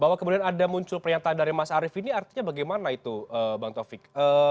bahwa kemudian ada muncul pernyataan dari mas arief ini artinya bagaimana itu bang taufik